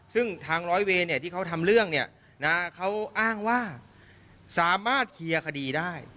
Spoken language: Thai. ซึ่งทางร้อยเวรที่เขาทำเรื่องเขาอ้างว่าสามารถเคลียร์คดีได้